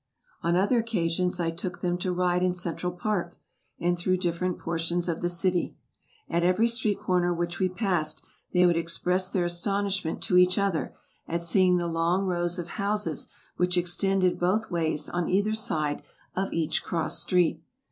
On other occasions, I took them to ride in Central Park, and through different portions of the city. At every street corner which we passed, they would express their astonishment to each other, at seeing the long rows of houses which extended both ways on either side of each cross street.